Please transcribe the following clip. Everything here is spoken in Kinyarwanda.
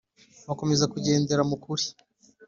Bakomeza kugendera mu kuri